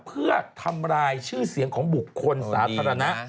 เพื่อทำลายชื่อเสียงของบุคคลสาธารณะ